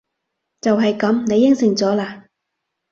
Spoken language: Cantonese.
就係噉！你應承咗喇！